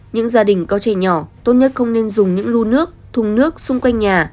những gia đình có trẻ nhỏ tốt nhất không nên dùng những lưu nước thùng nước xung quanh nhà